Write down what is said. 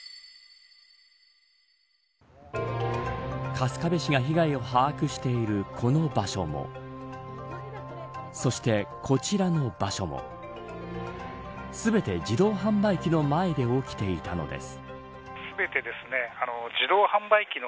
春日部市が被害を把握しているこの場所もそして、こちらの場所も全て自動販売機の前で起きていたのです。